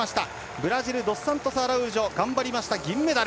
ブラジルドスサントスアラウージョ頑張りました銀メダル。